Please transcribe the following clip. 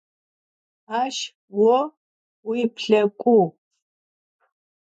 Aş vo vuiuplhek'uğ.